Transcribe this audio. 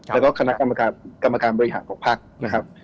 และก็คณะกรรมการบริหารของภักดิ์นะครับ